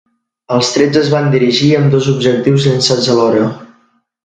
Els trets es van dirigir amb dos objectius llançats alhora.